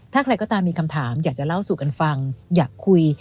ถ้าใครก็ตามมีคำถามอยากจะเล่าสู่กันฟังอยากคุย